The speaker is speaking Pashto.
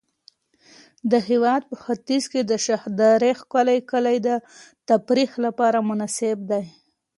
د هېواد په ختیځ کې د شخدرې ښکلي کلي د تفریح لپاره مناسب دي.